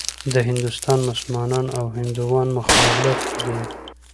د هندوستان مسلمانان او هندوان مخالف دي.